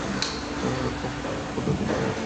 খবর না দিয়া পারে?